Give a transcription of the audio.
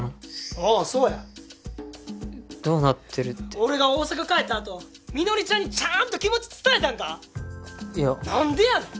おうそうやどうなってるって俺が大阪帰ったあとみのりちゃんにちゃーんと気持ち伝えたんか⁉いやなんでやねん！